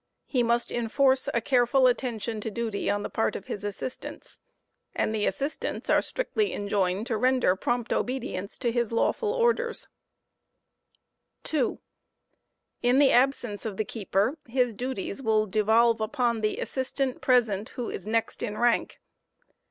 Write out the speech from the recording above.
He must enforce a careful attention to 'duty on the part of his assistants ; and the assistants are strictly enjoined to render prompt obedience to his lawful orders, 2, In the absence of the keeper his duties will devolve upon the assistant present k kutjou of " k ti op o r to de T?ho is Best in rank.